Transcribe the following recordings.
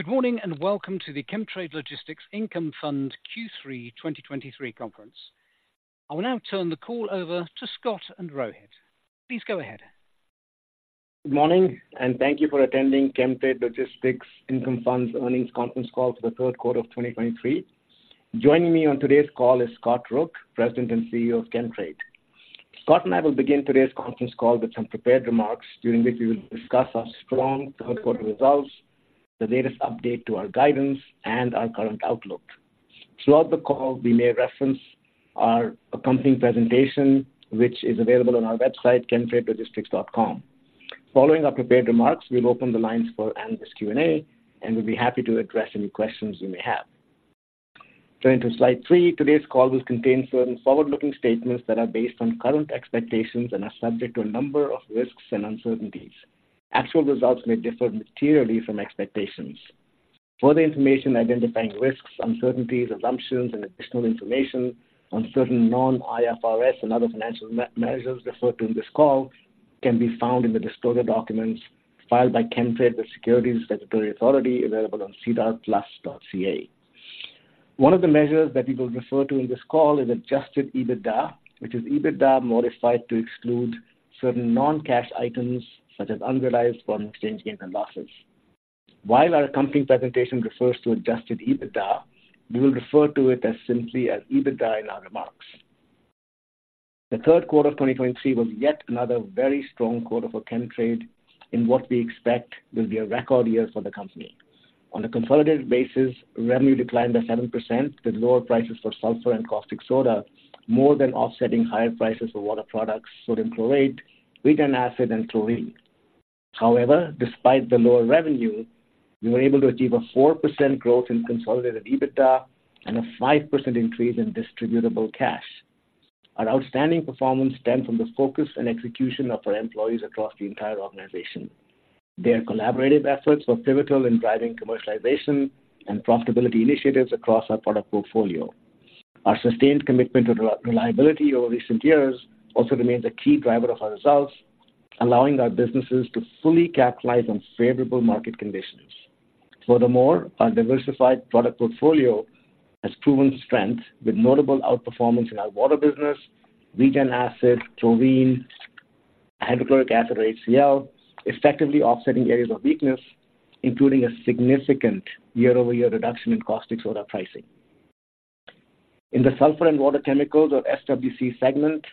Good morning, and welcome to the Chemtrade Logistics Income Fund Q3 2023 conference. I will now turn the call over to Scott and Rohit. Please go ahead. Good morning, and thank you for attending Chemtrade Logistics Income Fund's earnings conference call for the third quarter of 2023. Joining me on today's call is Scott Rook, President and CEO of Chemtrade. Scott and I will begin today's conference call with some prepared remarks, during which we will discuss our strong third quarter results, the latest update to our guidance, and our current outlook. Throughout the call, we may reference our accompanying presentation, which is available on our website, chemtradelogistics.com. Following our prepared remarks, we'll open the lines for analyst Q&A, and we'll be happy to address any questions you may have. Turning to slide 3. Today's call will contain certain forward-looking statements that are based on current expectations and are subject to a number of risks and uncertainties. Actual results may differ materially from expectations. Further information identifying risks, uncertainties, assumptions, and additional information on certain non-IFRS and other financial measures referred to in this call can be found in the disclosure documents filed by Chemtrade with securities regulatory authorities, available on SEDAR+. One of the measures that we will refer to in this call is adjusted EBITDA, which is EBITDA modified to exclude certain non-cash items such as unrealized foreign exchange gains and losses. While our accompanying presentation refers to adjusted EBITDA, we will refer to it as simply as EBITDA in our remarks. The third quarter of 2023 was yet another very strong quarter for Chemtrade in what we expect will be a record year for the company. On a consolidated basis, revenue declined by 7%, with lower prices for sulfur and caustic soda, more than offsetting higher prices for water products, sodium chlorate, regen acid, and chlorine. However, despite the lower revenue, we were able to achieve a 4% growth in consolidated EBITDA and a 5% increase in distributable cash. Our outstanding performance stemmed from the focus and execution of our employees across the entire organization. Their collaborative efforts were pivotal in driving commercialization and profitability initiatives across our product portfolio. Our sustained commitment to reliability over recent years also remains a key driver of our results, allowing our businesses to fully capitalize on favorable market conditions. Furthermore, our diversified product portfolio has proven strength, with notable outperformance in our water business, regen acid, chlorine, hydrochloric acid or HCI, effectively offsetting areas of weakness, including a significant year-over-year reduction in caustic soda pricing. In the Sulfur and Water Chemicals, or SWC segment,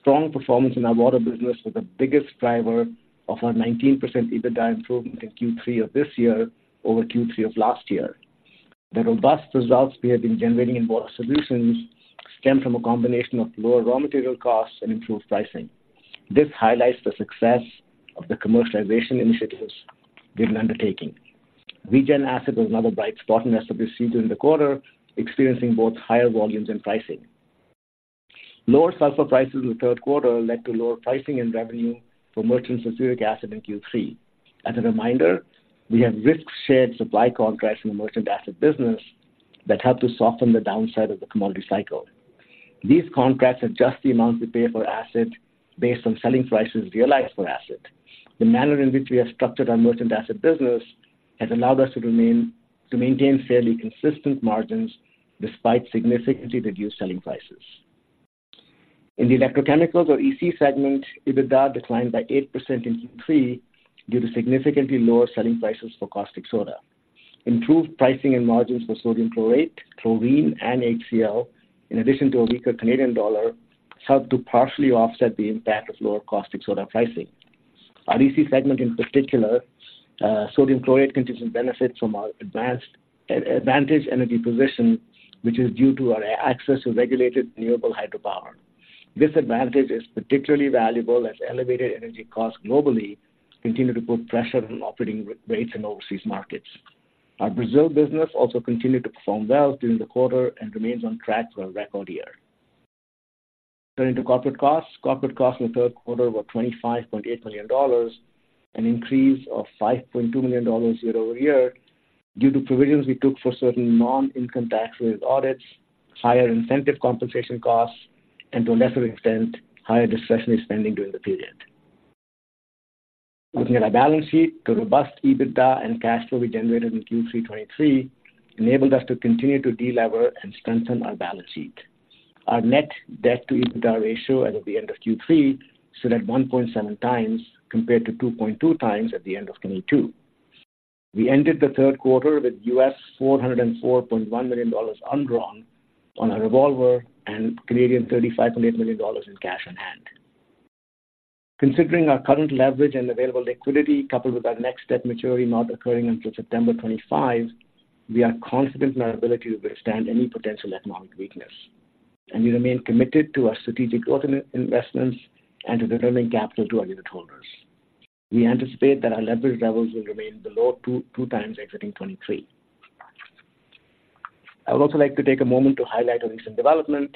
strong performance in our water business was the biggest driver of our 19% EBITDA improvement in Q3 of this year over Q3 of last year. The robust results we have been generating in water solutions stemmed from a combination of lower raw material costs and improved pricing. This highlights the success of the commercialization initiatives we've been undertaking. Regen Acid was another bright spot in SWC during the quarter, experiencing both higher volumes and pricing. Lower sulfur prices in the third quarter led to lower pricing and revenue for merchant sulfuric acid in Q3. As a reminder, we have risk-shared supply contracts in the Merchant Acid business that help to soften the downside of the commodity cycle. These contracts adjust the amount we pay for acid based on selling prices realized for acid. The manner in which we have structured our Merchant Acid business has allowed us to maintain fairly consistent margins despite significantly reduced selling prices. In the Electrochemical or EC segment, EBITDA declined by 8% in Q3 due to significantly lower selling prices for caustic soda. Improved pricing and margins for sodium chlorate, chlorine, and HCI, in addition to a weaker Canadian dollar, helped to partially offset the impact of lower caustic soda pricing. Our EC segment, in particular, sodium chlorate, continues to benefit from our advantage energy position, which is due to our access to regulated renewable hydropower. This advantage is particularly valuable as elevated energy costs globally continue to put pressure on operating rates in overseas markets. Our Brazil business also continued to perform well during the quarter and remains on track for a record year. Turning to corporate costs. Corporate costs in the third quarter were 25.8 million dollars, an increase of 5.2 million dollars year-over-year due to provisions we took for certain non-income tax-related audits, higher incentive compensation costs, and to a lesser extent, higher discretionary spending during the period. Looking at our balance sheet, the robust EBITDA and cash flow we generated in Q3 2023 enabled us to continue to delever and strengthen our balance sheet. Our net debt to EBITDA ratio as of the end of Q3 stood at 1.7x, compared to 2.2x at the end of 2022. We ended the third quarter with $404.1 million undrawn on our revolver and 35.8 million Canadian dollars in cash on hand. Considering our current leverage and available liquidity, coupled with our next debt maturity not occurring until September 2025, we are confident in our ability to withstand any potential economic weakness, and we remain committed to our strategic organic investments and to returning capital to our Unitholders. We anticipate that our leverage levels will remain below 2.2x exiting 2023. I would also like to take a moment to highlight a recent development.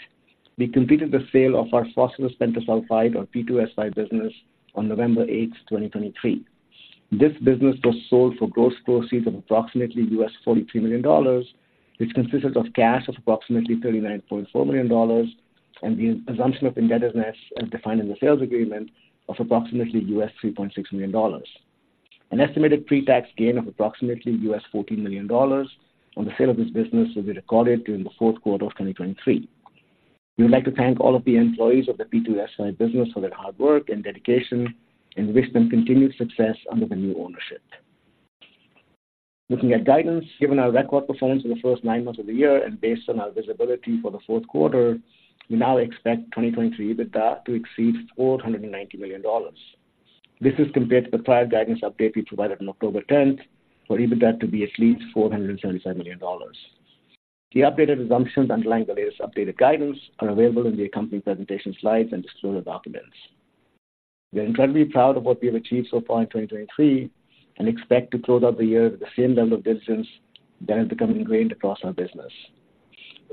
We completed the sale of our Phosphorus Pentasulfide, or P2S5 business, on November 8, 2023. This business was sold for gross proceeds of approximately $43 million, which consisted of cash of approximately $39.4 million and the assumption of indebtedness as defined in the sales agreement of approximately $3.6 million. An estimated pretax gain of approximately $14 million on the sale of this business will be recorded during the fourth quarter of 2023. We would like to thank all of the employees of the P2S5 business for their hard work and dedication, and wish them continued success under the new ownership. Looking at guidance, given our record performance in the first nine months of the year and based on our visibility for the fourth quarter, we now expect 2023 EBITDA to exceed $490 million. This is compared to the prior guidance update we provided on October 10 for EBITDA to be at least $475 million. The updated assumptions underlying the latest updated guidance are available in the accompanying presentation slides and disclosure documents. We are incredibly proud of what we have achieved so far in 2023 and expect to close out the year with the same level of diligence that has become ingrained across our business.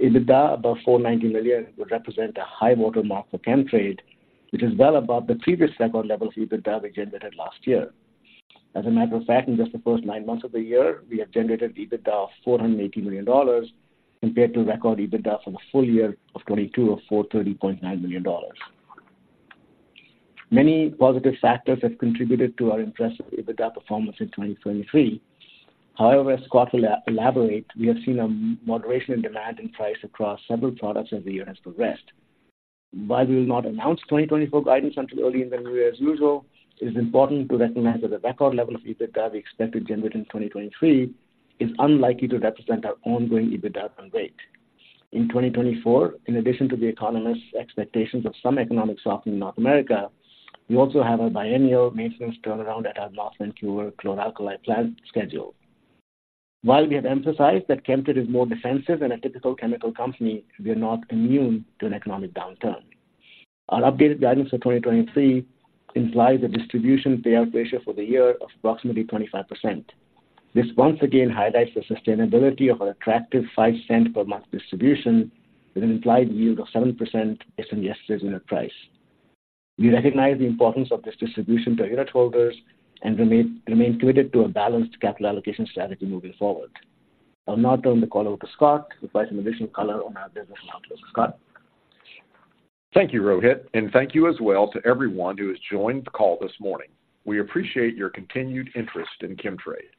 EBITDA above 490 million would represent a high water mark for Chemtrade, which is well above the previous record levels of EBITDA we generated last year. As a matter of fact, in just the first nine months of the year, we have generated EBITDA of 480 million dollars compared to record EBITDA for the full year of 2022 of 430.9 million dollars. Many positive factors have contributed to our impressive EBITDA performance in 2023. However, as Scott will elaborate, we have seen a moderation in demand and price across several products as the year has progressed. While we will not announce 2024 guidance until early in the new year, as usual, it is important to recognize that the record level of EBITDA we expect to generate in 2023 is unlikely to represent our ongoing EBITDA run rate. In 2024, in addition to the economists' expectations of some economic softening in North America, we also have a biennial maintenance turnaround at our North Vancouver chlor-alkali Plant scheduled. While we have emphasized that Chemtrade is more defensive than a typical chemical company, we are not immune to an economic downturn. Our updated guidance for 2023 implies a distribution payout ratio for the year of approximately 25%. This once again highlights the sustainability of our attractive 0.05 per month distribution, with an implied yield of 7% based on yesterday's unit price. We recognize the importance of this distribution to unitholders and remain committed to a balanced capital allocation strategy moving forward. I'll now turn the call over to Scott, who will provide some additional color on our business and outlook. Scott? Thank you, Rohit, and thank you as well to everyone who has joined the call this morning. We appreciate your continued interest in Chemtrade.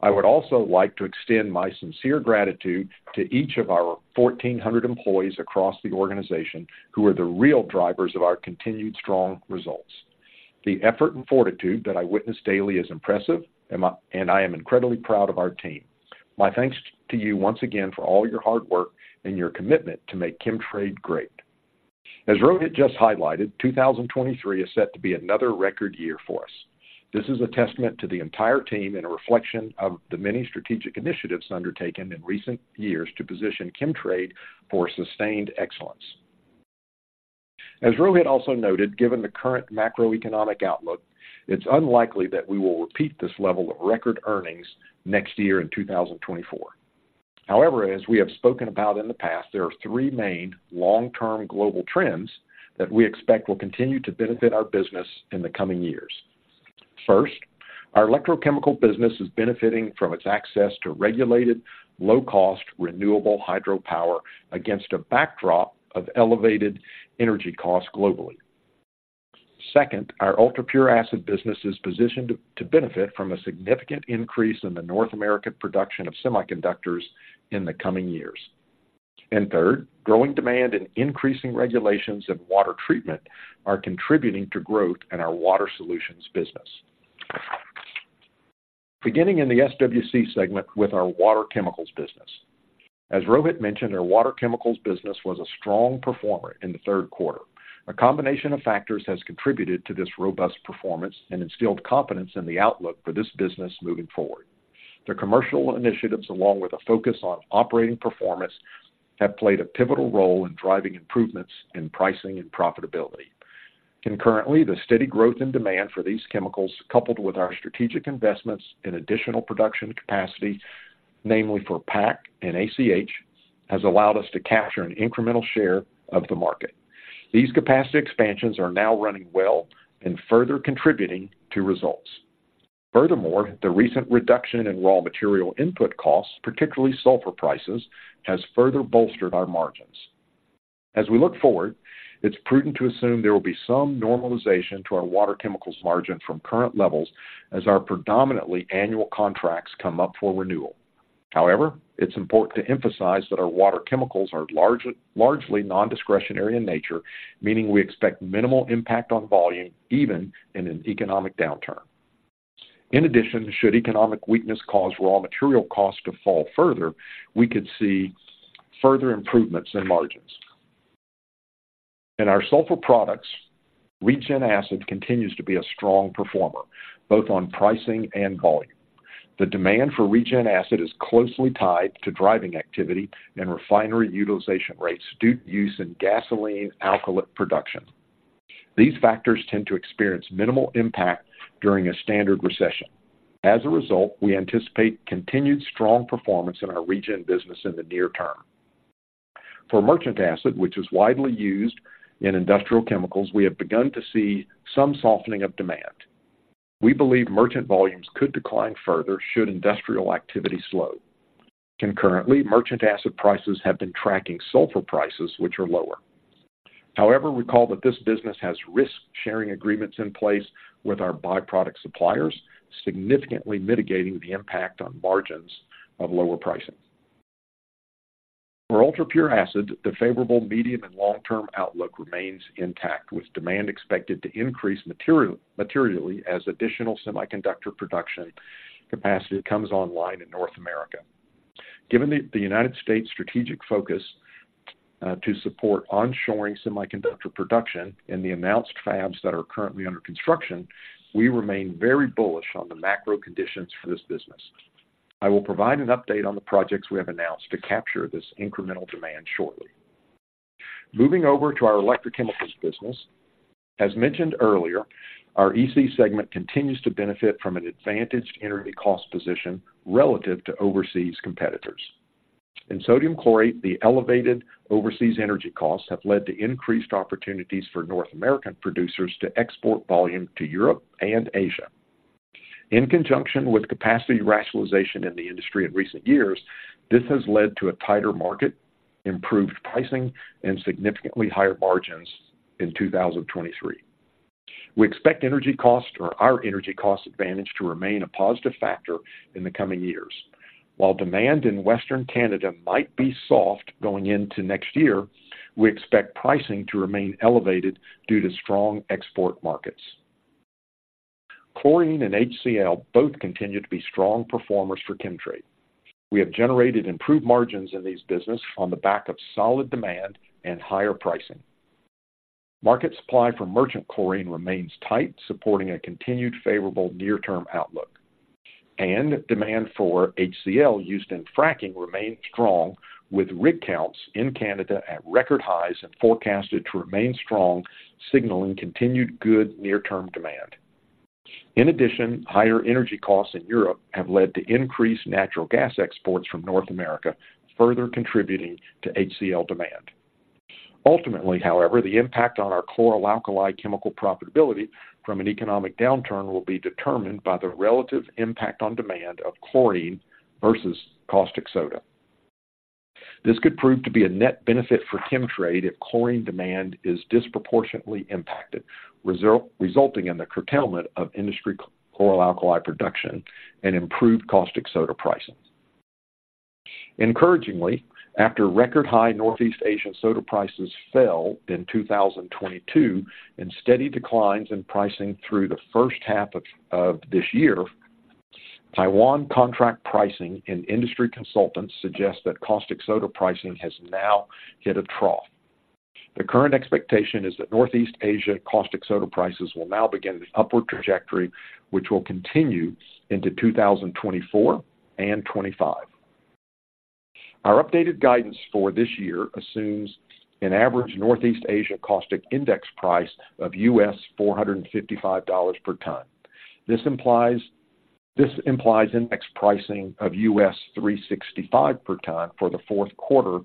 I would also like to extend my sincere gratitude to each of our 1,400 employees across the organization who are the real drivers of our continued strong results. The effort and fortitude that I witness daily is impressive, and I am incredibly proud of our team. My thanks to you once again for all your hard work and your commitment to make Chemtrade great. As Rohit just highlighted, 2023 is set to be another record year for us. This is a testament to the entire team and a reflection of the many strategic initiatives undertaken in recent years to position Chemtrade for sustained excellence. As Rohit also noted, given the current macroeconomic outlook, it's unlikely that we will repeat this level of record earnings next year in 2024. However, as we have spoken about in the past, there are three main long-term global trends that we expect will continue to benefit our business in the coming years. First, our electrochemical business is benefiting from its access to regulated, low-cost, renewable hydropower against a backdrop of elevated energy costs globally. Second, our ultrapure acid business is positioned to benefit from a significant increase in the North American production of semiconductors in the coming years. And third, growing demand and increasing regulations in water treatment are contributing to growth in our water solutions business. Beginning in the SWC segment with our water chemicals business. As Rohit mentioned, our water chemicals business was a strong performer in the third quarter. A combination of factors has contributed to this robust performance and instilled confidence in the outlook for this business moving forward. The commercial initiatives, along with a focus on operating performance, have played a pivotal role in driving improvements in pricing and profitability. Concurrently, the steady growth and demand for these chemicals, coupled with our strategic investments in additional production capacity, namely for PAC and ACH, has allowed us to capture an incremental share of the market. These capacity expansions are now running well and further contributing to results. Furthermore, the recent reduction in raw material input costs, particularly sulfur prices, has further bolstered our margins. As we look forward, it's prudent to assume there will be some normalization to our water chemicals margin from current levels as our predominantly annual contracts come up for renewal. However, it's important to emphasize that our water chemicals are largely nondiscretionary in nature, meaning we expect minimal impact on volume, even in an economic downturn. In addition, should economic weakness cause raw material costs to fall further, we could see further improvements in margins. In our sulfur products, Regen Acid continues to be a strong performer, both on pricing and volume. The demand for Regen Acid is closely tied to driving activity and refinery utilization rates due to use in Gasoline Alkylate production. These factors tend to experience minimal impact during a standard recession. As a result, we anticipate continued strong performance in our Regen business in the near term. For Merchant Acid, which is widely used in industrial chemicals, we have begun to see some softening of demand. We believe merchant volumes could decline further should industrial activity slow. Concurrently, Merchant Acid prices have been tracking sulfur prices, which are lower. However, recall that this business has risk-sharing agreements in place with our byproduct suppliers, significantly mitigating the impact on margins of lower pricing. For ultrapure acid, the favorable medium and long-term outlook remains intact, with demand expected to increase materially as additional semiconductor production capacity comes online in North America. Given the United States strategic focus to support onshoring semiconductor production and the announced fabs that are currently under construction, we remain very bullish on the macro conditions for this business. I will provide an update on the projects we have announced to capture this incremental demand shortly. Moving over to our electrochemicals business. As mentioned earlier, our EC segment continues to benefit from an advantaged energy cost position relative to overseas competitors. In sodium chlorate, the elevated overseas energy costs have led to increased opportunities for North American producers to export volume to Europe and Asia. In conjunction with capacity rationalization in the industry in recent years, this has led to a tighter market, improved pricing, and significantly higher margins in 2023. We expect energy costs or our energy cost advantage to remain a positive factor in the coming years. While demand in Western Canada might be soft going into next year, we expect pricing to remain elevated due to strong export markets. Chlorine and HCI both continue to be strong performers for Chemtrade. We have generated improved margins in these businesses on the back of solid demand and higher pricing. Market supply for merchant chlorine remains tight, supporting a continued favorable near-term outlook, and demand for HCI used in fracking remains strong, with rig counts in Canada at record highs and forecasted to remain strong, signaling continued good near-term demand. In addition, higher energy costs in Europe have led to increased natural gas exports from North America, further contributing to HCI demand. Ultimately, however, the impact on our chlor-alkali chemical profitability from an economic downturn will be determined by the relative impact on demand of chlorine versus caustic soda. This could prove to be a net benefit for Chemtrade if chlorine demand is disproportionately impacted, resulting in the curtailment of industry chlor-alkali production and improved caustic soda pricing. Encouragingly, after record-high Northeast Asia caustic soda prices fell in 2022, and steady declines in pricing through the first half of this year, Taiwan contract pricing and industry consultants suggest that caustic soda pricing has now hit a trough. The current expectation is that Northeast Asia caustic soda prices will now begin an upward trajectory, which will continue into 2024 and 2025. Our updated guidance for this year assumes an average Northeast Asia caustic soda index price of $455 per ton. This implies, this implies index pricing of $365 per ton for the fourth quarter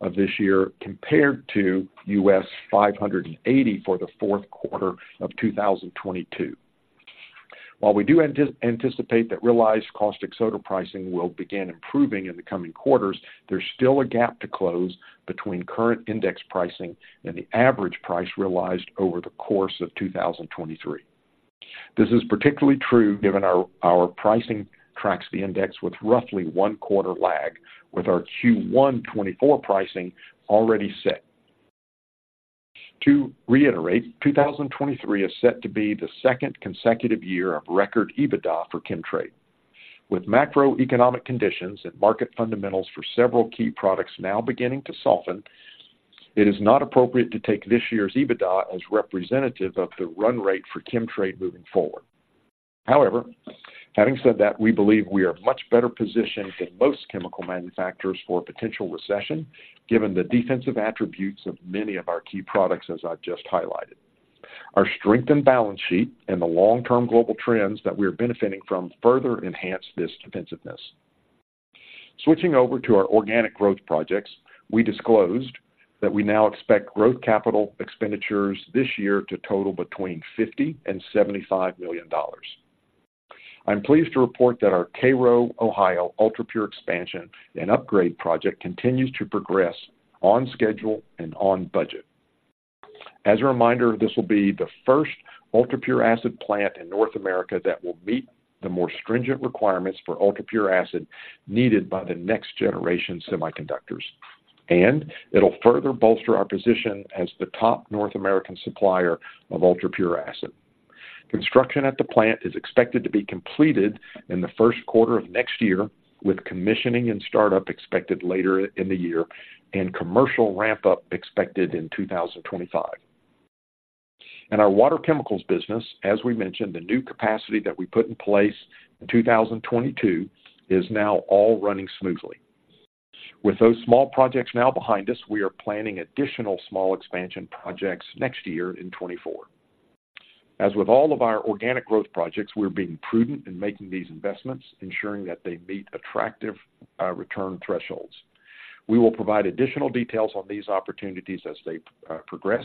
of this year, compared to $580 for the fourth quarter of 2022. While we do anticipate that realized caustic soda pricing will begin improving in the coming quarters, there's still a gap to close between current index pricing and the average price realized over the course of 2023. This is particularly true given our, our pricing tracks the index with roughly one quarter lag, with our Q1 2024 pricing already set. To reiterate, 2023 is set to be the second consecutive year of record EBITDA for Chemtrade. With macroeconomic conditions and market fundamentals for several key products now beginning to soften, it is not appropriate to take this year's EBITDA as representative of the run rate for Chemtrade moving forward. However, having said that, we believe we are much better positioned than most chemical manufacturers for a potential recession, given the defensive attributes of many of our key products, as I've just highlighted. Our strengthened balance sheet and the long-term global trends that we are benefiting from further enhance this defensiveness. Switching over to our organic growth projects, we disclosed that we now expect growth capital expenditures this year to total between 50 million and 75 million dollars. I'm pleased to report that our Cairo, Ohio, ultrapure expansion and upgrade project continues to progress on schedule and on budget. As a reminder, this will be the first ultrapure acid plant in North America that will meet the more stringent requirements for ultrapure acid needed by the next generation semiconductors. And it'll further bolster our position as the top North American supplier of ultrapure acid. Construction at the plant is expected to be completed in the first quarter of next year, with commissioning and startup expected later in the year, and commercial ramp-up expected in 2025. In our water chemicals business, as we mentioned, the new capacity that we put in place in 2022 is now all running smoothly. With those small projects now behind us, we are planning additional small expansion projects next year in 2024. As with all of our organic growth projects, we're being prudent in making these investments, ensuring that they meet attractive return thresholds. We will provide additional details on these opportunities as they progress.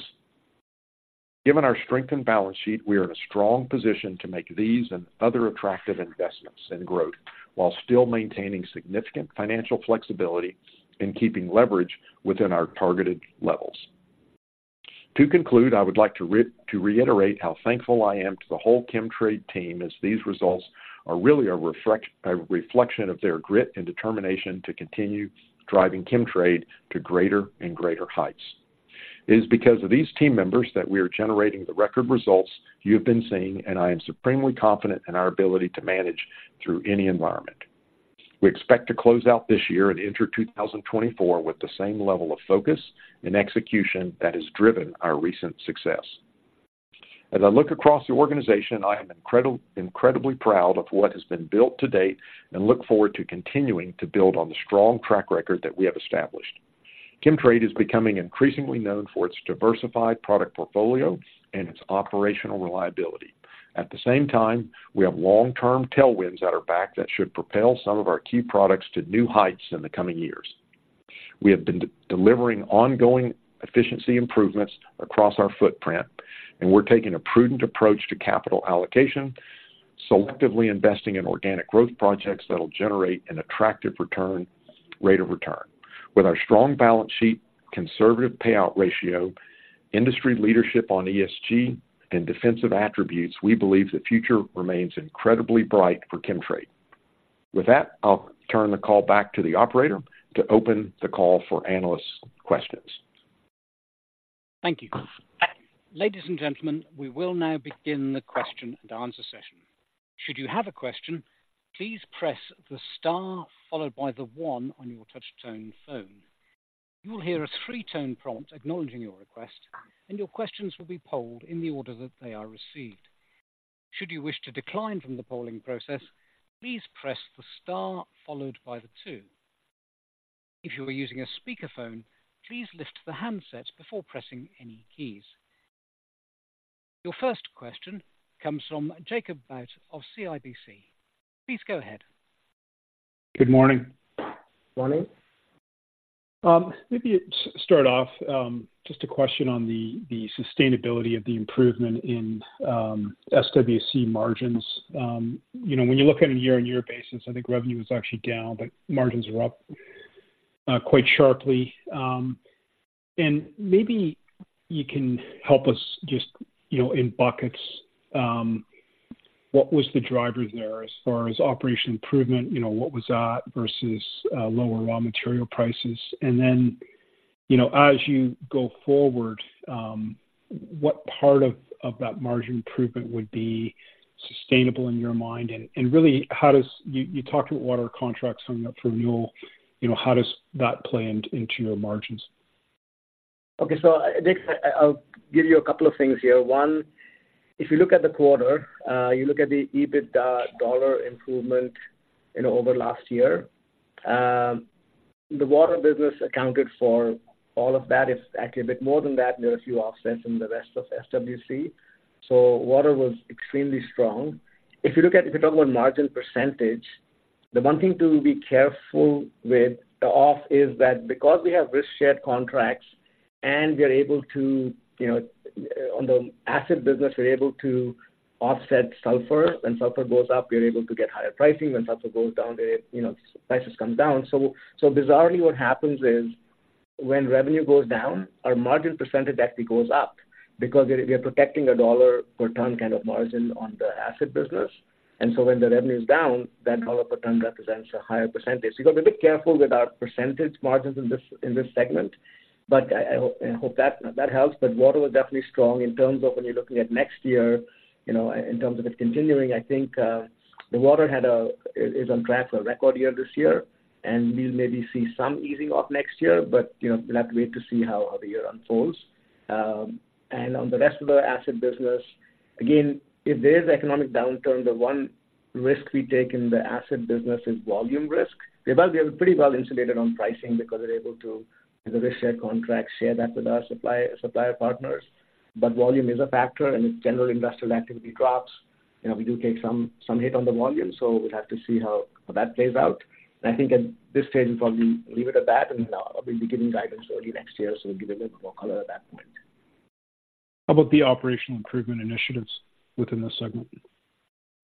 Given our strengthened balance sheet, we are in a strong position to make these and other attractive investments in growth, while still maintaining significant financial flexibility and keeping leverage within our targeted levels. To conclude, I would like to reiterate how thankful I am to the whole Chemtrade team, as these results are really a reflection of their grit and determination to continue driving Chemtrade to greater and greater heights. It is because of these team members that we are generating the record results you have been seeing, and I am supremely confident in our ability to manage through any environment. We expect to close out this year and enter 2024 with the same level of focus and execution that has driven our recent success. As I look across the organization, I am incredibly, incredibly proud of what has been built to date and look forward to continuing to build on the strong track record that we have established. Chemtrade is becoming increasingly known for its diversified product portfolio and its operational reliability. At the same time, we have long-term tailwinds at our back that should propel some of our key products to new heights in the coming years. We have been delivering ongoing efficiency improvements across our footprint, and we're taking a prudent approach to capital allocation, selectively investing in organic growth projects that'll generate an attractive return, rate of return. With our strong balance sheet, conservative payout ratio, industry leadership on ESG, and defensive attributes, we believe the future remains incredibly bright for Chemtrade. With that, I'll turn the call back to the operator to open the call for analyst questions. Thank you. Ladies and gentlemen, we will now begin the question and answer session. Should you have a question, please press the star followed by the one on your touchtone phone. You will hear a three-tone prompt acknowledging your request, and your questions will be polled in the order that they are received. Should you wish to decline from the polling process, please press the star followed by the two. If you are using a speakerphone, please lift the handset before pressing any keys. Your first question comes from Jacob Bout of CIBC. Please go ahead. Good morning. Morning. Maybe to start off, just a question on the sustainability of the improvement in SWC margins. You know, when you look at it on a year-on-year basis, I think revenue is actually down, but margins are up quite sharply. And maybe you can help us just, you know, in buckets, what was the driver there as far as operation improvement? You know, what was that versus lower raw material prices? And then, you know, as you go forward, what part of that margin improvement would be sustainable in your mind? And really, how does... You talked about water contracts coming up for renewal. You know, how does that play into your margins? Okay, so, Nick, I, I'll give you a couple of things here. One, if you look at the quarter, you look at the EBITDA dollar improvement, you know, over last year, the water business accounted for all of that. It's actually a bit more than that. There are a few offsets in the rest of SWC, so water was extremely strong. If you look at, if you're talking about margin percentage, the one thing to be careful with the offset is that because we have risk-shared contracts and we are able to, you know, on the acid business, we're able to offset sulfur. When sulfur goes up, we're able to get higher pricing. When sulfur goes down, it, you know, prices come down. So, so bizarrely, what happens is, when revenue goes down, our margin percentage actually goes up because we're, we're protecting a dollar per ton kind of margin on the acid business. And so when the revenue is down, that dollar per ton represents a higher percentage. You've got to be careful with our percentage margins in this, in this segment, but I, I hope, I hope that, that helps. But water was definitely strong in terms of when you're looking at next year, you know, in terms of it continuing, I think, the water had a, is, is on track for a record year this year, and we'll maybe see some easing off next year. But, you know, we'll have to wait to see how, how the year unfolds. And on the rest of the acid business, again, if there's economic downturn, the one risk we take in the acid business is volume risk. We are pretty well insulated on pricing because we're able to, with the risk share contracts, share that with our supplier partners. But volume is a factor, and if general industrial activity drops, you know, we do take some hit on the volume, so we'll have to see how that plays out. I think at this stage, we'll probably leave it at that, and we'll be giving guidance early next year, so we'll give a little more color at that point. How about the operational improvement initiatives within the segment?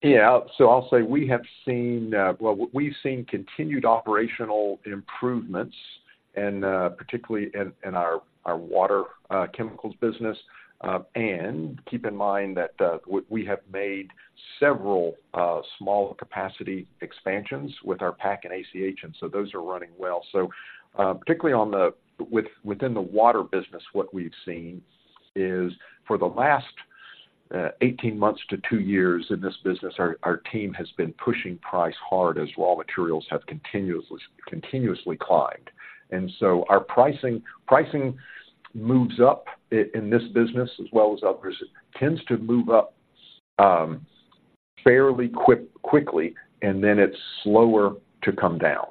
Yeah. So I'll say we have seen... Well, we've seen continued operational improvements in, particularly in our water chemicals business. And keep in mind that we have made several small capacity expansions with our PAC and ACH, and so those are running well. So, particularly within the water business, what we've seen is for the last 18 months to two years in this business, our team has been pushing price hard as raw materials have continuously climbed. And so our pricing moves up in this business as well as others. It tends to move up fairly quickly, and then it's slower to come down.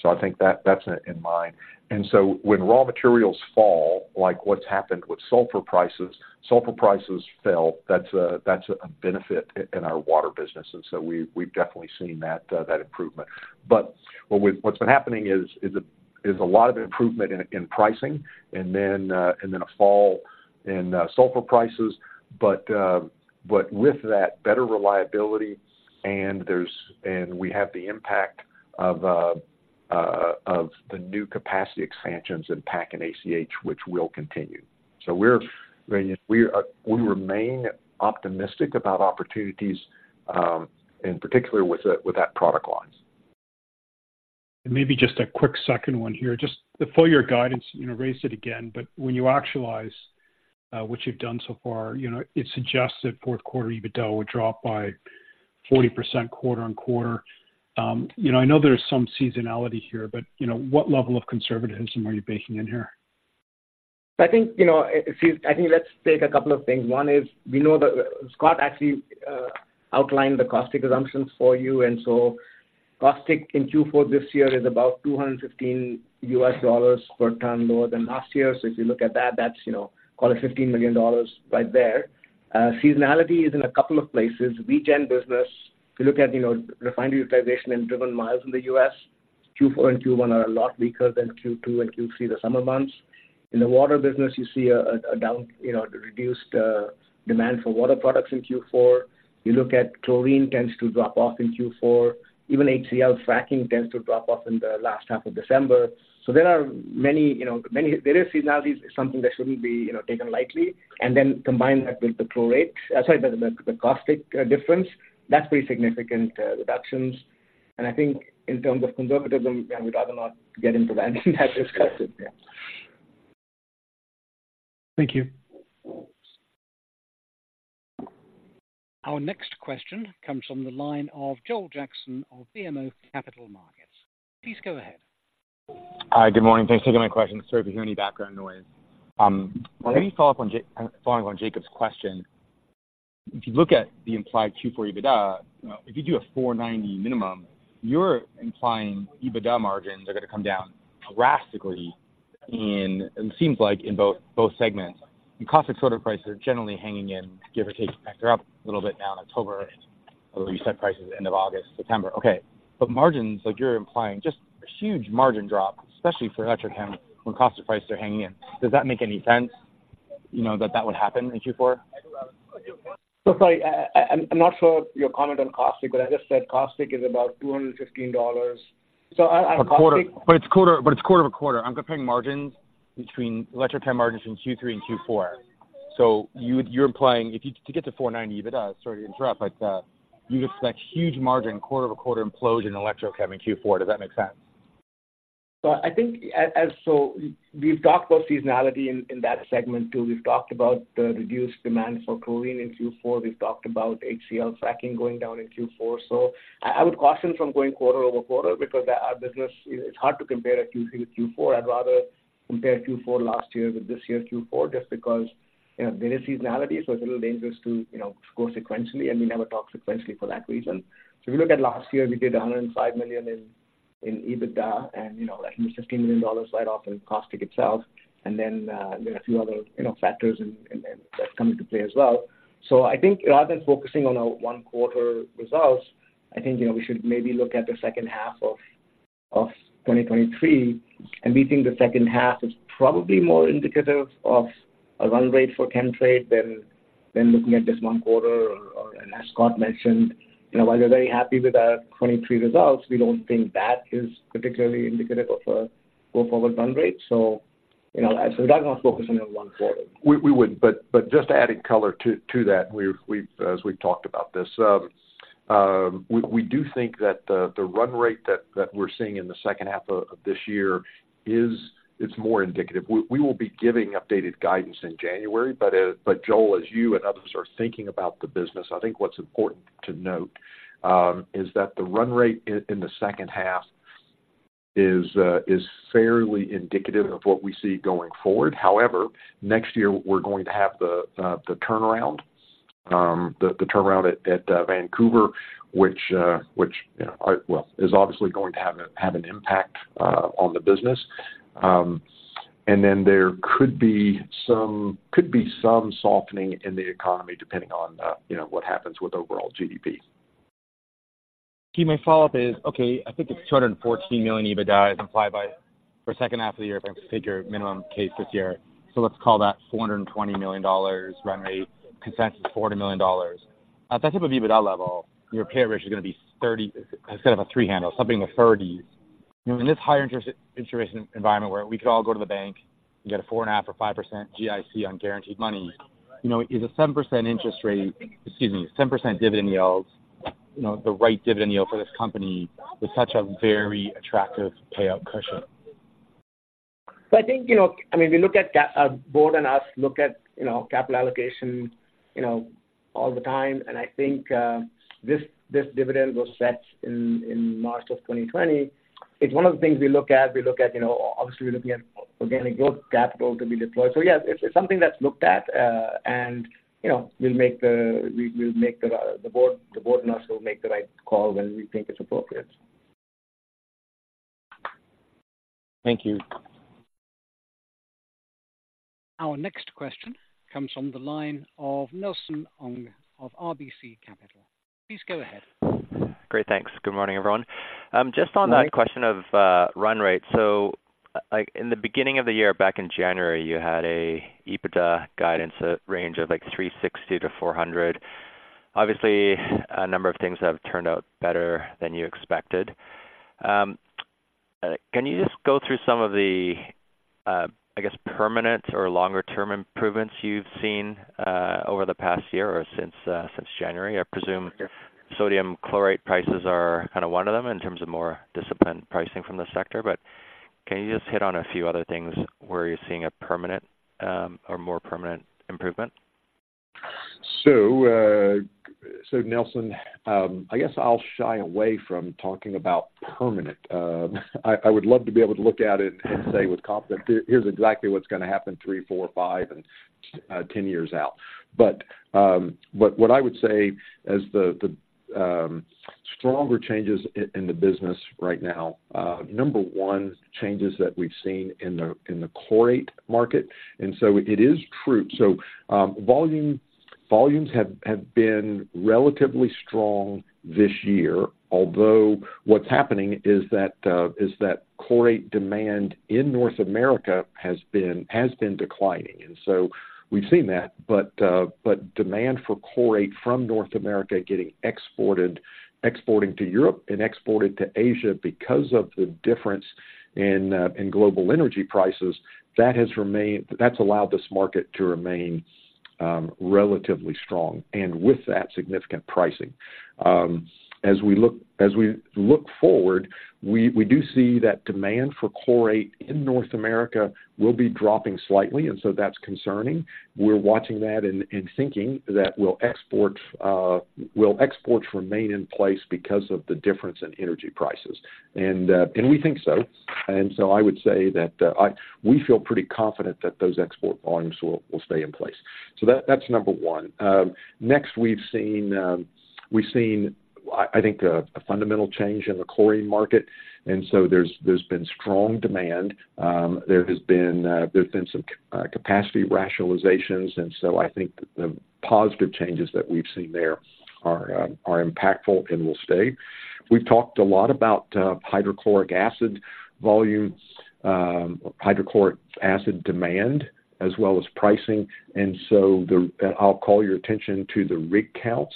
So I think that's in mind. And so when raw materials fall, like what's happened with sulfur prices, sulfur prices fell. That's a benefit in our water business, and so we've definitely seen that improvement. But what's been happening is a lot of improvement in pricing and then a fall in sulfur prices. But with that, better reliability, and we have the impact of the new capacity expansions in PAC and ACH, which will continue. So we remain optimistic about opportunities, in particular with that product line. Maybe just a quick second one here. Just the full year guidance, you know, raised it again, but when you actualize what you've done so far, you know, it suggests that fourth quarter EBITDA would drop by 40% quarter-on-quarter. You know, I know there's some seasonality here, but, you know, what level of conservatism are you baking in here? I think, you know, it seems—I think let's take a couple of things. One is we know that Scott actually outlined the caustic assumptions for you, and so caustic in Q4 this year is about $215 per ton lower than last year. So if you look at that, that's, you know, call it $15 million right there. Seasonality is in a couple of places. Regen business, if you look at, you know, refinery utilization and driven miles in the U.S., Q4 and Q1 are a lot weaker than Q2 and Q3, the summer months. In the water business, you see a down, you know, reduced demand for water products in Q4. You look at chlorine tends to drop off in Q4. Even HCI fracking tends to drop off in the last half of December. So there are many, you know, there is seasonality is something that shouldn't be, you know, taken lightly, and then combine that with the chlorate... Sorry, the caustic difference. That's pretty significant reductions. And I think in terms of conservatism, I would rather not get into that discussion. Thank you. Our next question comes from the line of Joel Jackson of BMO Capital Markets. Please go ahead. Hi, good morning. Thanks for taking my questions. Sorry if you hear any background noise. Let me follow up, following on Jacob's question. If you look at the implied Q4 EBITDA, you know, if you do a 490 minimum, you're implying EBITDA margins are gonna come down drastically in, it seems like, in both segments. Caustic soda prices are generally hanging in, give or take. They're up a little bit now in October, although you set prices end of August, September. Okay, but margins, like you're implying, just huge margin drop, especially for electrochem, when caustic prices are hanging in. Does that make any sense, you know, that would happen in Q4? So sorry, I'm not sure your comment on caustic, but I just said caustic is about $215. So I- But quarter, but it's quarter-over-quarter. I'm comparing margins between electrochem margins in Q3 and Q4. So you, you're implying if you to get to 490 EBITDA, sorry to interrupt, but, you just like huge margin, quarter-over-quarter implosion in electrochem in Q4. Does that make sense? So I think as so we've talked about seasonality in that segment, too. We've talked about the reduced demand for chlorine in Q4. We've talked about HCI fracking going down in Q4. So I would caution from going quarter over quarter because our business, it's hard to compare a Q3–Q4. I'd rather compare Q4 last year with this year's Q4, just because, you know, there is seasonality, so it's a little dangerous to, you know, go sequentially, and we never talk sequentially for that reason. So if you look at last year, we did 105 million in EBITDA and, you know, that was 15 million dollars right off in caustic itself. And then there are a few other, you know, factors in that come into play as well. So I think rather than focusing on our one quarter results, I think, you know, we should maybe look at the second half of 2023, and we think the second half is probably more indicative of a run rate for Chemtrade than looking at this one quarter, or and as Scott mentioned, you know, while we're very happy with our 2023 results, we don't think that is particularly indicative of a go-forward run rate. So, you know, so we're not gonna focus on the one quarter. We would, but just adding color to that, as we've talked about this. We do think that the run rate that we're seeing in the second half of this year is more indicative. We will be giving updated guidance in January, but Joel, as you and others are thinking about the business, I think what's important to note is that the run rate in the second half is fairly indicative of what we see going forward. However, next year we're going to have the turnaround, the turnaround at Vancouver, which, you know, well, is obviously going to have an impact on the business. Then there could be some softening in the economy, depending on, you know, what happens with overall GDP. My follow-up is, okay, I think it's 214 million EBITDA implied by for second half of the year, if I take your minimum case this year. So let's call that 420 million dollars run rate, consensus, 40 million dollars. At that type of EBITDA level, your payout ratio is gonna be 30, instead of a three handle, something in the 30s. You know, in this higher interest rate environment where we could all go to the bank and get a 4.5% or 5% GIC on guaranteed money, you know, is a 7% interest rate, excuse me, 7% dividend yield, you know, the right dividend yield for this company with such a very attractive payout cushion? So I think, you know, I mean, we look at the board and us look at, you know, capital allocation, you know, all the time, and I think, this dividend was set in March of 2020. It's one of the things we look at. We look at, you know, obviously, we're looking at organic growth, capital to be deployed. So yeah, it's something that's looked at, and, you know, the board and us will make the right call when we think it's appropriate. Thank you. Our next question comes from the line of Nelson Ng of RBC Capital. Please go ahead. Great, thanks. Good morning, everyone. Just on that question of, run rate, so-... like in the beginning of the year, back in January, you had an EBITDA guidance range of like 360 million–400 million. Obviously, a number of things have turned out better than you expected. Can you just go through some of the, I guess, permanent or longer-term improvements you've seen, over the past year or since, since January? I presume sodium chlorate prices are kind of one of them in terms of more disciplined pricing from the sector, but can you just hit on a few other things where you're seeing a permanent, or more permanent improvement? So, Nelson, I guess I'll shy away from talking about permanent. I would love to be able to look at it and say with confidence, here, here's exactly what's gonna happen three, four, five, and 10 years out. But what I would say as the stronger changes in the business right now, number one, changes that we've seen in the chlorate market. And so it is true. So, volumes have been relatively strong this year, although what's happening is that is that chlorate demand in North America has been declining. And so we've seen that, but demand for chlorate from North America getting exported... exporting to Europe and exported to Asia because of the difference in global energy prices, that has remained. That's allowed this market to remain relatively strong, and with that, significant pricing. As we look forward, we do see that demand for chlorate in North America will be dropping slightly, and so that's concerning. We're watching that and thinking that will exports remain in place because of the difference in energy prices? And we think so. And so I would say that we feel pretty confident that those export volumes will stay in place. So that's number one. Next, we've seen, I think, a fundamental change in the chlorine market, and so there's been strong demand. There has been, there's been some capacity rationalizations, and so I think the positive changes that we've seen there are impactful and will stay. We've talked a lot about hydrochloric acid volumes, hydrochloric acid demand, as well as pricing, and so the, I'll call your attention to the rig counts.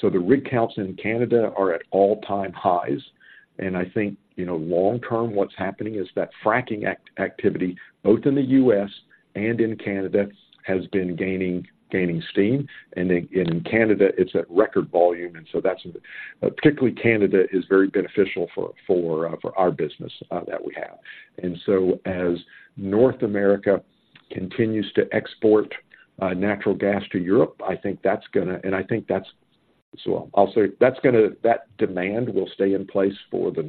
So the rig counts in Canada are at all-time highs, and I think, you know, long term, what's happening is that fracking activity, both in the U.S. and in Canada, has been gaining, gaining steam. And in Canada, it's at record volume, and so that's... Particularly Canada is very beneficial for our business that we have. And so as North America continues to export natural gas to Europe, I think that's gonna... And I think that's so I'll say, that's gonna that demand will stay in place for the,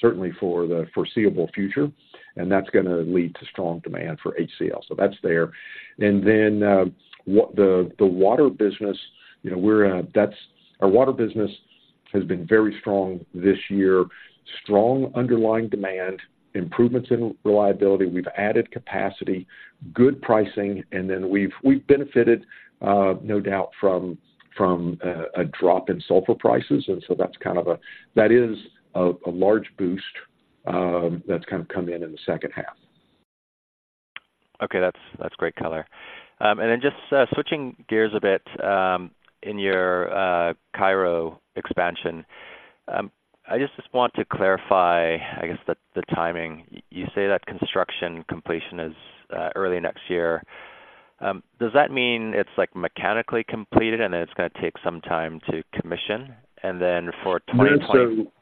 certainly for the foreseeable future, and that's gonna lead to strong demand for HCI. So that's there. And then, the water business, you know, that's our water business has been very strong this year. Strong underlying demand, improvements in reliability, we've added capacity, good pricing, and then we've benefited, no doubt from a drop in sulfur prices. And so that's kind of a. That is a large boost, that's kind of come in in the second half. Okay. That's, that's great color. And then just switching gears a bit, in your Cairo expansion, I just want to clarify, I guess, the timing. You say that construction completion is early next year. Does that mean it's, like, mechanically completed, and then it's gonna take some time to commission? And then for 2020- So-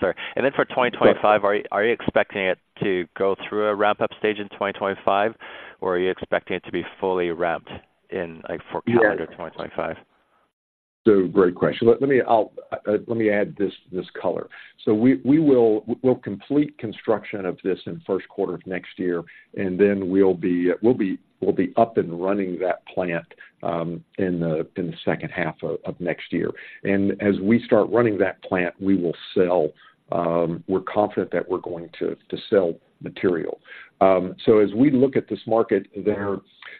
Sorry. And then for 2025, are you, are you expecting it to go through a ramp-up stage in 2025, or are you expecting it to be fully ramped in, like, for calendar 2025? So great question. Let me... I'll let me add this, this color. So we'll complete construction of this in first quarter of next year, and then we'll be up and running that plant in the second half of next year. And as we start running that plant, we will sell... We're confident that we're going to to sell material. So as we look at this market,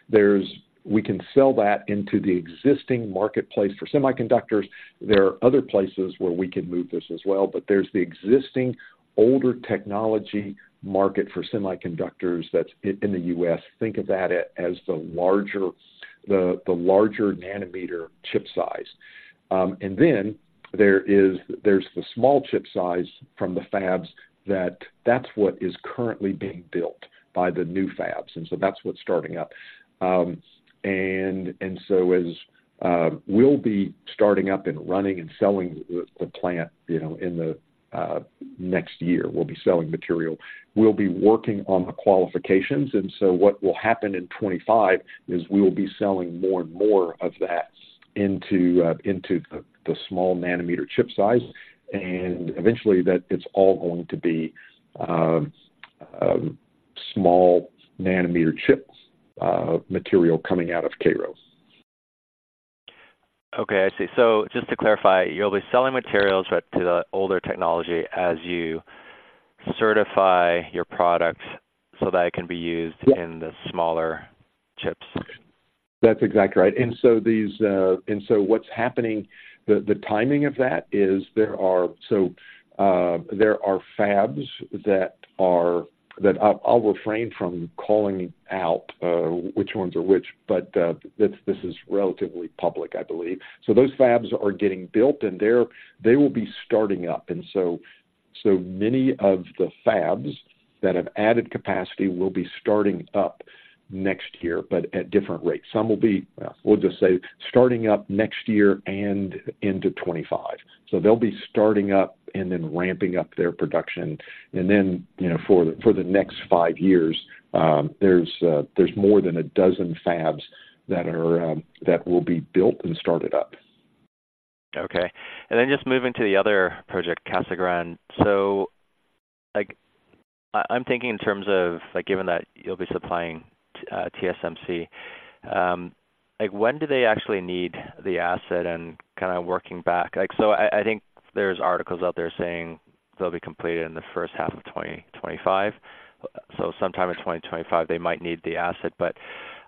there's we can sell that into the existing marketplace for semiconductors. There are other places where we can move this as well, but there's the existing older technology market for semiconductors that's in the U.S. Think of that as the larger, the larger nanometer chip size. And then there is, there's the small chip size from the fabs that, that's what is currently being built by the new fabs, and so that's what's starting up. And so we'll be starting up and running and selling the plant, you know, in the next year. We'll be selling material. We'll be working on the qualifications, and so what will happen in 2025 is we will be selling more and more of that into the small nanometer chip size, and eventually, that it's all going to be small nanometer chip material coming out of Cairo. Okay, I see. So just to clarify, you'll be selling materials, but to the older technology as you certify your products so that it can be used- Yep... in the smaller chips?... That's exactly right. And so these, And so what's happening, the, the timing of that is there are-- So, there are fabs that are, that I'll, I'll refrain from calling out, which ones are which, but, this, this is relatively public, I believe. So those fabs are getting built, and they're they will be starting up. And so, so many of the fabs that have added capacity will be starting up next year, but at different rates. Some will be, well, we'll just say, starting up next year and into 2025. So they'll be starting up and then ramping up their production. And then, you know, for, for the next five years, there's, there's more than a dozen fabs that are, that will be built and started up. Okay. And then just moving to the other project, Casa Grande. So, like, I'm thinking in terms of, like, given that you'll be supplying TSMC, like, when do they actually need the acid and kind of working back? Like, so I think there's articles out there saying they'll be completed in the first half of 2025. So sometime in 2025, they might need the acid, but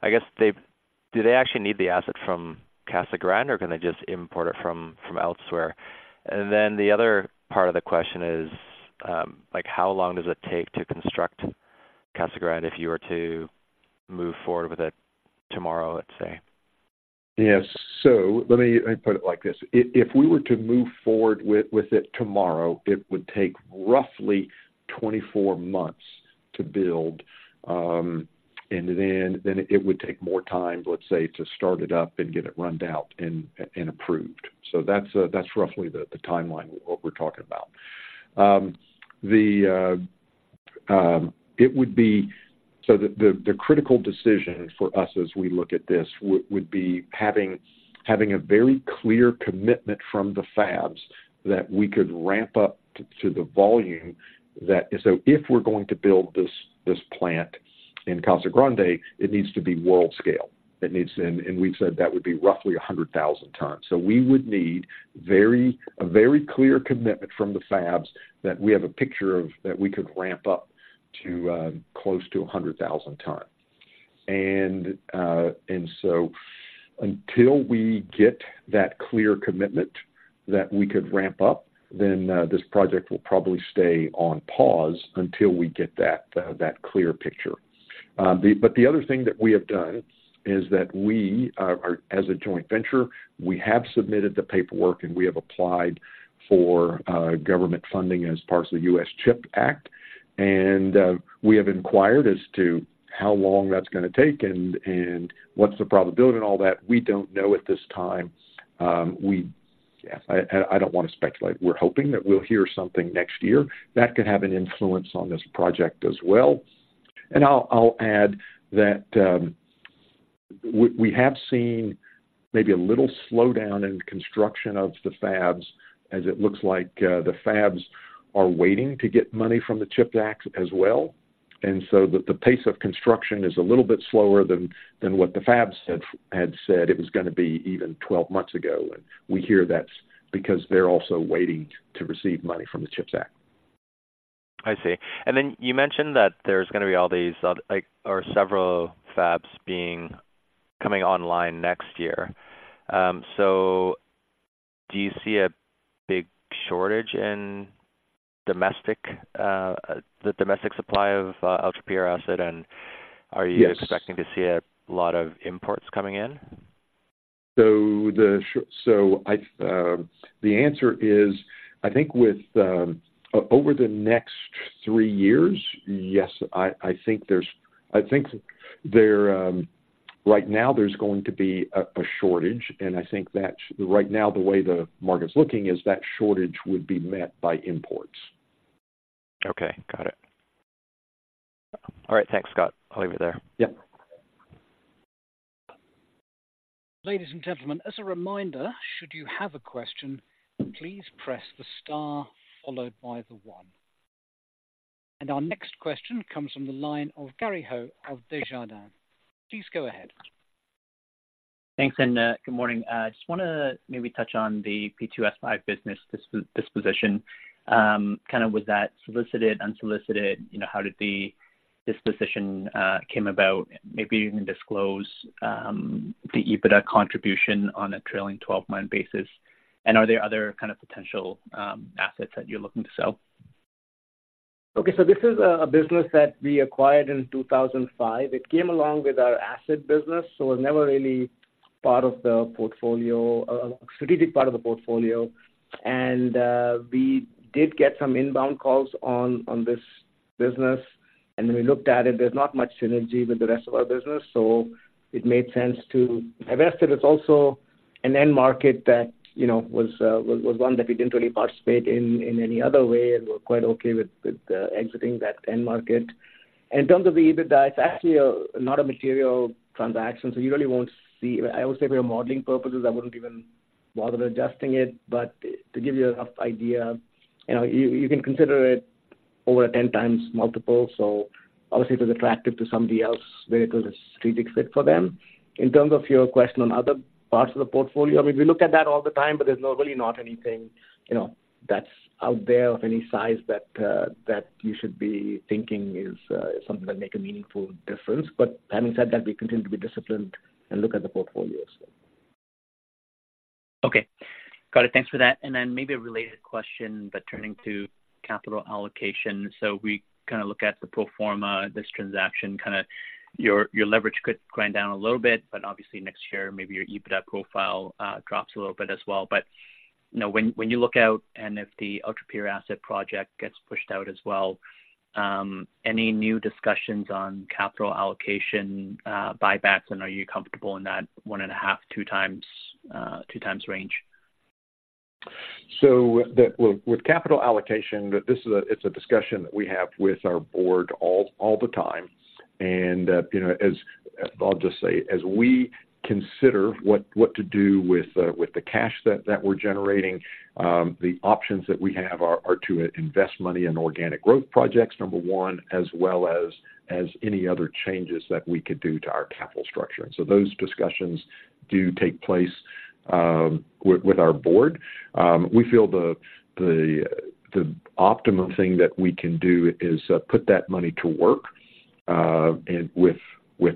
I guess they-- Do they actually need the acid from Casa Grande, or can they just import it from elsewhere? And then the other part of the question is, like, how long does it take to construct Casa Grande if you were to move forward with it tomorrow, let's say? Yes. So let me put it like this. If we were to move forward with it tomorrow, it would take roughly 24 months to build, and then it would take more time, let's say, to start it up and get it ramped out and approved. So that's roughly the timeline what we're talking about. The critical decision for us as we look at this would be having a very clear commitment from the fabs that we could ramp up to the volume that... So if we're going to build this plant in Casa Grande, it needs to be world scale. It needs to. And we've said that would be roughly 100,000 tons. So we would need a very clear commitment from the fabs that we have a picture of, that we could ramp up to close to 100,000 tons. And so until we get that clear commitment that we could ramp up, then this project will probably stay on pause until we get that clear picture. The other thing that we have done is that we, as a joint venture, have submitted the paperwork, and we have applied for government funding as part of the U.S. CHIPS Act. And we have inquired as to how long that's gonna take and what's the probability and all that. We don't know at this time. Yeah, I don't want to speculate. We're hoping that we'll hear something next year. That could have an influence on this project as well. And I'll add that, we have seen maybe a little slowdown in construction of the fabs as it looks like, the fabs are waiting to get money from the CHIPS Act as well. And so the pace of construction is a little bit slower than what the fabs had said it was gonna be even 12 months ago. And we hear that's because they're also waiting to receive money from the CHIPS Act. I see. And then you mentioned that there's gonna be all these other, like, or several fabs coming online next year. So do you see a big shortage in the domestic supply of ultrapure acid, and- Yes. Are you expecting to see a lot of imports coming in? So I, the answer is, I think with, over the next three years, yes, I, I think there's I think there, right now there's going to be a, a shortage, and I think that right now, the way the market's looking is that shortage would be met by imports. Okay, got it. All right, thanks, Scott. I'll leave it there. Yep. Ladies and gentlemen, as a reminder, should you have a question, please press the star followed by one. Our next question comes from the line of Gary Ho of Desjardins. Please go ahead. Thanks, and good morning. I just wanna maybe touch on the P2S5 business disposition. Kind of was that solicited, unsolicited? You know, how did the disposition came about? Maybe you can disclose the EBITDA contribution on a trailing twelve-month basis. And are there other kind of potential assets that you're looking to sell? Okay, so this is a business that we acquired in 2005. It came along with our acid business, so it was never really part of the portfolio, a strategic part of the portfolio. And we did get some inbound calls on this business, and when we looked at it, there's not much synergy with the rest of our business, so it made sense to divest it. It's also an end market that, you know, was one that we didn't really participate in in any other way and we're quite okay with exiting that end market. In terms of the EBITDA, it's actually not a material transaction, so you really won't see... I would say for your modeling purposes, I wouldn't even bother adjusting it. But to give you a rough idea, you know, you can consider it over a 10x multiple. So obviously, it was attractive to somebody else, where it was a strategic fit for them. In terms of your question on other parts of the portfolio, I mean, we look at that all the time, but there's normally not anything, you know, that's out there of any size that that you should be thinking is something that make a meaningful difference. But having said that, we continue to be disciplined and look at the portfolio as well.... Got it. Thanks for that. And then maybe a related question, but turning to capital allocation. So we kind of look at the pro forma, this transaction, kind of your, your leverage could grind down a little bit, but obviously next year, maybe your EBITDA profile drops a little bit as well. But, you know, when, when you look out and if the Ultrapure acid project gets pushed out as well, any new discussions on capital allocation, buybacks, and are you comfortable in that 1.5x–2x range? So, with capital allocation, this is, it's a discussion that we have with our board all the time. And, you know, I'll just say, as we consider what to do with the cash that we're generating, the options that we have are to invest money in organic growth projects, number one, as well as any other changes that we could do to our capital structure. So those discussions do take place with our board. We feel the optimum thing that we can do is put that money to work and with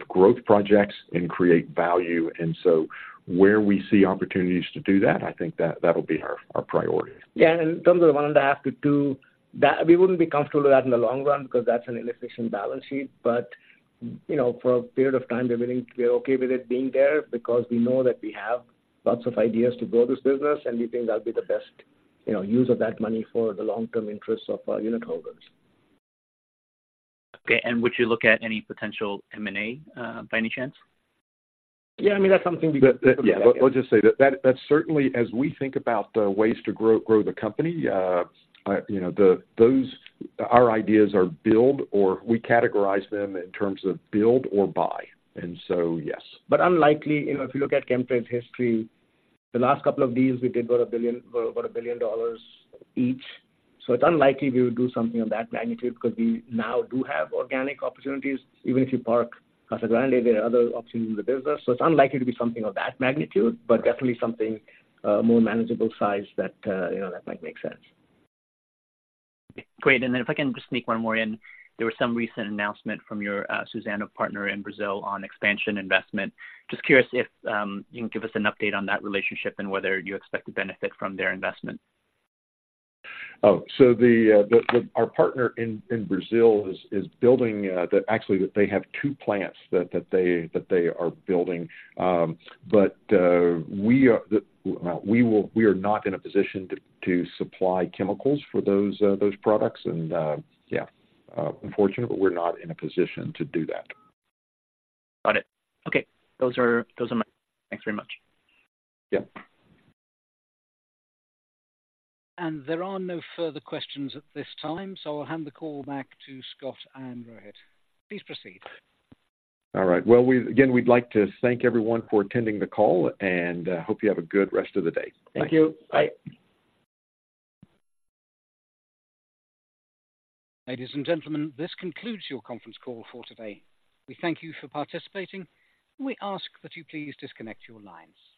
growth projects and create value. And so where we see opportunities to do that, I think that'll be our priority. Yeah, and in terms of the 1.5-2, that we wouldn't be comfortable with that in the long run because that's an inefficient balance sheet. But, you know, for a period of time, we're willing, we're okay with it being there because we know that we have lots of ideas to grow this business, and we think that'll be the best, you know, use of that money for the long-term interests of our unitholders. Okay, and would you look at any potential M&A by any chance? Yeah, I mean, that's something we- Yeah. I'll just say that certainly, as we think about the ways to grow the company, you know, our ideas are build, or we categorize them in terms of build or buy. And so, yes. But unlikely, you know, if you look at Chemtrade's history, the last couple of deals we did were 1 billion dollars, were about 1 billion dollars each. So it's unlikely we would do something of that magnitude because we now do have organic opportunities. Even if you park Casa Grande, there are other opportunities in the business, so it's unlikely to be something of that magnitude, but definitely something, more manageable size that, you know, that might make sense. Great. Then if I can just sneak one more in. There was some recent announcement from your Suzano partner in Brazil on expansion investment. Just curious if you can give us an update on that relationship and whether you expect to benefit from their investment? Oh, so our partner in Brazil is building, actually. They have two plants that they are building. But we are not in a position to supply chemicals for those products and, yeah, unfortunately, but we're not in a position to do that. Got it. Okay. Those are, those are my... Thanks very much. Yeah. There are no further questions at this time, so I'll hand the call back to Scott and Rohit. Please proceed. All right. Well, we again, we'd like to thank everyone for attending the call, and hope you have a good rest of the day. Thank you. Bye. Ladies and gentlemen, this concludes your conference call for today. We thank you for participating, and we ask that you please disconnect your lines.